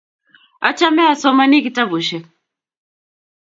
achame asomani kitabushek